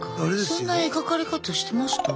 そんな描かれ方してました？